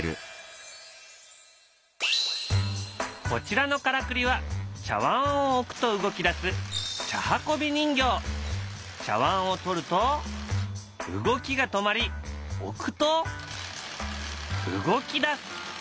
こちらのからくりは茶わんを置くと動き出す茶わんを取ると動きが止まり置くと動き出す。